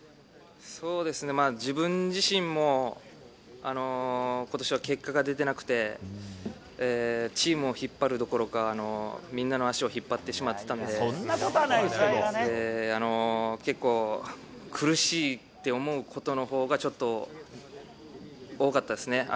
そうですね、自分自身もことしは結果が出てなくて、チームを引っ張るどころか、みんなの足を引っ張ってしまってたんで、結構、苦しいって思うことのほうが、ちょっと多かったですね。